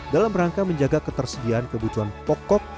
dalam rangka menjaga ketersediaan kebutuhan pokok